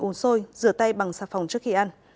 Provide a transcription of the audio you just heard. uống sôi rửa tay bằng xà phòng trước khi ăn